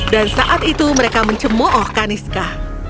dan saat itu mereka mencemu oh kaniska